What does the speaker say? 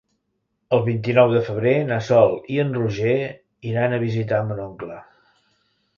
El vint-i-nou de febrer na Sol i en Roger iran a visitar mon oncle.